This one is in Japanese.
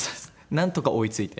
なんとか追い付いて。